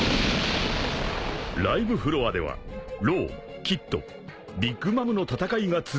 ［ライブフロアではローキッドビッグ・マムの戦いが続く］